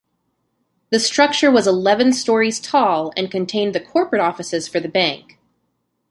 The structure was eleven stories tall and contained the corporate offices for the bank.